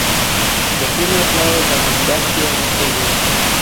The female flowers have an adaxial nectar gland.